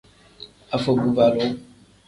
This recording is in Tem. Afobuvalu.